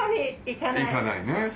行かないね。